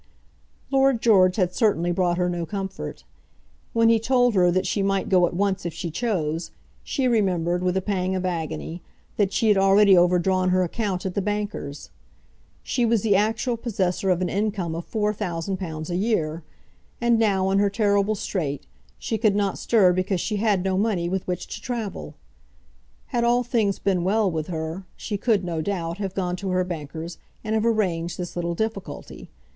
Lord George had certainly brought her no comfort. When he told her that she might go at once if she chose, she remembered, with a pang of agony, that she had already overdrawn her account at the bankers. She was the actual possessor of an income of four thousand pounds a year, and now, in her terrible strait, she could not stir because she had no money with which to travel. Had all things been well with her, she could, no doubt, have gone to her bankers and have arranged this little difficulty.